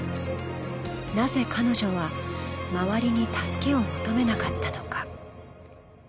なぜ彼女は周りに助けを求めなかったのか？